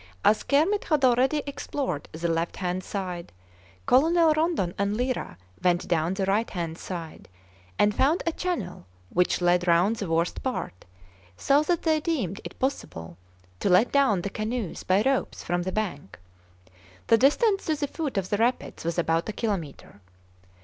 As Kermit had already explored the left hand side, Colonel Rondon and Lyra went down the right hand side and found a channel which led round the worst part, so that they deemed it possible to let down the canoes by ropes from the bank. The distance to the foot of the rapids was about a kilometre.